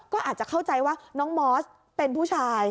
ก็อาจจะเข้าใจว่าน้องมอสเป็นผู้ชาย